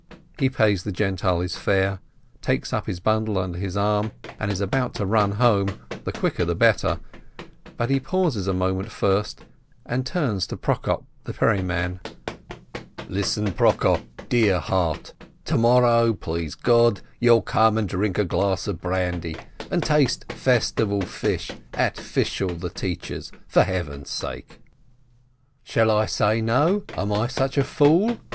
He pays the Gentile his fare, takes up his bundle under his arm and is about to run home, the quicker the better, but he pauses a moment first, and turns to Prokop the ferry man: "Listen, Prokop, dear heart, to morrow, please God, you'll come and drink a glass of brandy, and taste festival fish at Fishel the teacher's, for Heaven's sake !" 10 142 SHOLOM ALECHEM "Shall I say no ? Am I such a fool